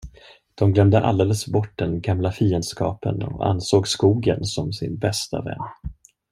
De glömde alldeles bort den gamla fiendskapen och ansåg skogen som sin bästa vän.